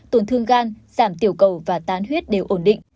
tổn thương gan giảm tiểu cầu và tan huyết đều ổn định